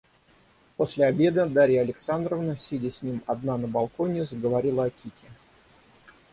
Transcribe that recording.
После обеда Дарья Александровна, сидя с ним одна на балконе, заговорила о Кити.